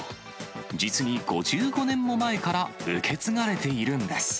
実に５５年も前から受け継がれているんです。